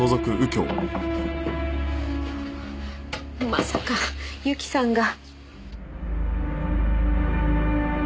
まさかユキさんが。